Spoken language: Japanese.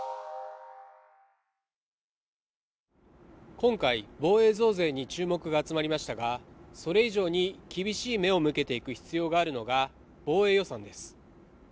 今回、防衛増税に注目が集まりましたがそれ以上に厳しい目を向けていく必要があるが防衛予算です。